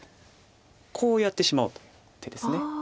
こうやってしまおうという手です。